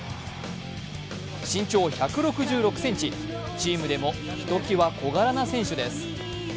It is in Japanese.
身長１６６ｃｍ、チームでもひときわ小柄な選手です。